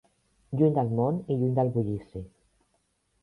Lluny del món i lluny del bullici